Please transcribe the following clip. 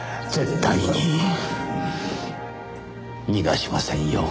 絶対に逃がしませんよ。